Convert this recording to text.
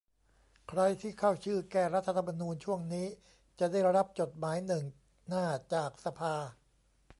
ใครที่เข้าชื่อ แก้รัฐธรรมนูญ ช่วงนี้จะได้รับจดหมายหนึ่งหน้าจากสภา